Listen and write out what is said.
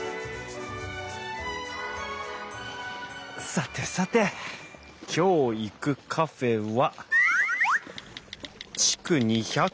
さてさて今日行くカフェは。